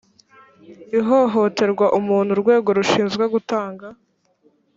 ihohotera umuntu urwego rushinzwe gutanga